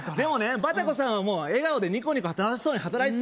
バタコさんは笑顔でニコニコ楽しそうに働いてたよ